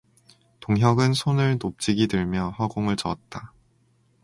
동혁은 손을 높직이 들며 허공을 저었다.